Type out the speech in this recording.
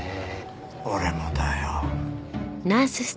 俺もだよ。